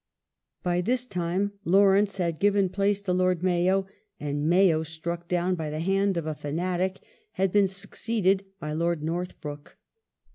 By this time Lawrence had given place to Lord Mayo, and Mayo, struck down by the hand of a fanatic, had been succeeded by Lord Northbrook.